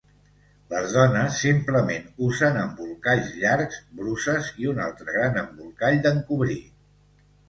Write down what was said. Les dones simplement usen embolcalls llargs, bruses i un altre gran embolcall d'encobrir.